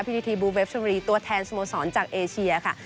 พิธีทีบูเวฟชบุรีตัวแทนสโมสรจากเอเชียค่ะ